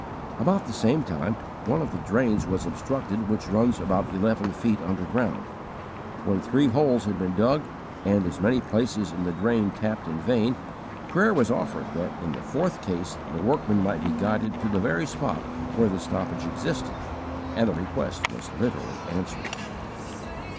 About the same time one of the drains was obstructed which runs about eleven feet underground. When three holes had been dug and as many places in the drain tapped in vain, prayer was offered that in the fourth case the workmen might be guided to the very spot where the stoppage existed and the request was literally answered.